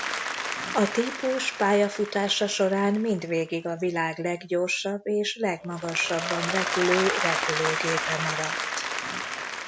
A típus pályafutása során mindvégig a világ leggyorsabb és legmagasabban repülő repülőgépe maradt.